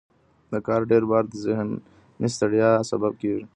د کار ډیر بار د ذهني ستړیا سبب کېږي.